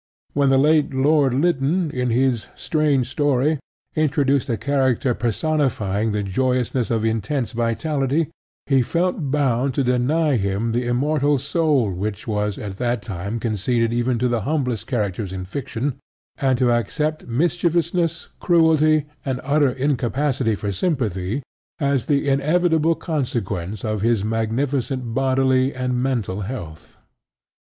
When the late Lord Lytton, in his Strange Story, introduced a character personifying the joyousness of intense vitality, he felt bound to deny him the immortal soul which was at that time conceded even to the humblest characters in fiction, and to accept mischievousness, cruelty, and utter incapacity for sympathy as the inevitable consequence of his magnificent bodily and mental health.